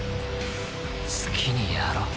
好きにやろう。